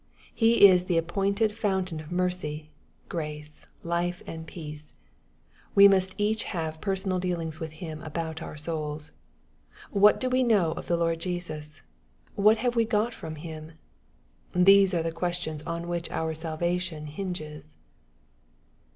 He is the appointed fountain of mercy, grace, life, and peace. We must each have personal dealings with Him about our souls. What do we know of the Lord Je^us ? What have we got from Him ? These are the questions on which our salvation hinges.